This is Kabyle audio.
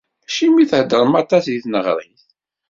Acimi i theddrem aṭas di tneɣrit?